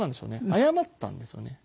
謝ったんですよね。